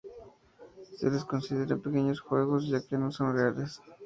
Se les considera pequeños juegos ya que no son reales.